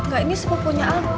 gak ini sepupunya al